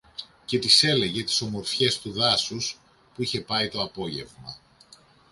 και της έλεγε τις ομορφιές του δάσους που είχε πάει το απόγευμα.